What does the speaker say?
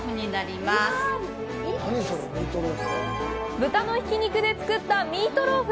豚のひき肉で作ったミートローフ。